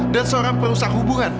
dan seorang perusaha hubungan